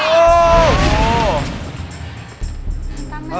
โอ้โห